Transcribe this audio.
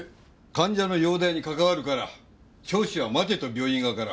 患者の容態に関わるから聴取は待てと病院側から。